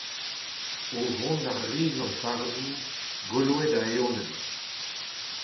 O vont ar ribl an tarzhioù goloet a eonenn.